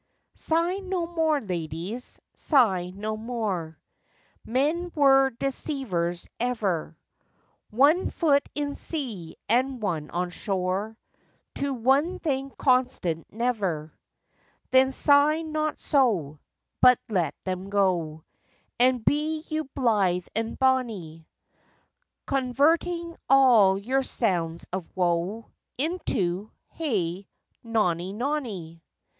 Sigh no more, ladies, sigh no more, Men were deceivers ever, One foot in sea and one on shore, To one thing constant never: Then sigh not so, But let them go, And be you blithe and bonny, Converting all your sounds of woe Into, Hey nonny, nonny.